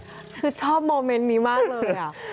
คือชอบโมเมนต์นี้มากเลย